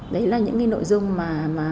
đấy là những cái nội dung mà